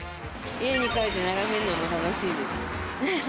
家に帰って眺めるのも楽しいです。